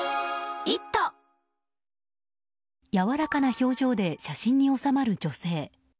やわらかな表情で写真に納まる女性。